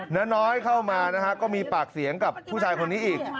น้อยเข้ามานะฮะก็มีปากเสียงกับผู้ชายคนนี้อีก